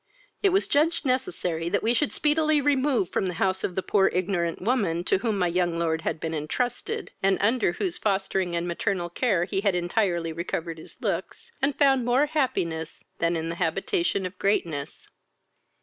It was judged necessary that we should speedily remove from the house of the poor, ignorant woman to whom my young lord had been entrusted, and under whose fostering and maternal care he had entirely recovered his looks, and found more happiness than in the habitation of greatness.